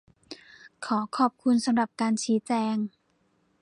ขอขอบคุณสำหรับการชี้แจง !